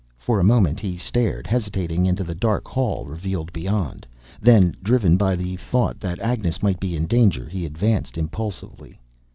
For a moment he stared, hesitating, into the dark hall revealed beyond. Then, driven by the thought that Agnes might be in danger, he advanced impulsively.